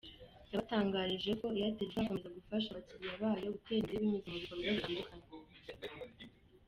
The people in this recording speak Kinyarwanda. Yabatangarije ko Airtel izakomeza gufasha abakiriya bayo gutera imbere binyuze mu bikorwa bitandukanye.